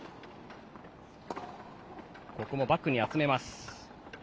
ここもバックに集めます。